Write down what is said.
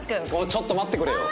ちょっと待ってくれ。